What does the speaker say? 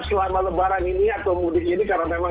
selama lebaran ini atau mudik ini karena memang